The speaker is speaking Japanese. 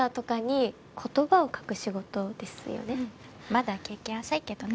まだ経験浅いけどね。